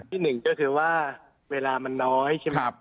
ที่หนึ่งก็คือว่าเวลามันน้อยใช่ไหมครับ